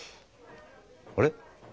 あれ？